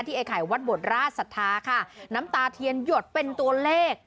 ไอ้ไข่วัดบทราชศรัทธาค่ะน้ำตาเทียนหยดเป็นตัวเลข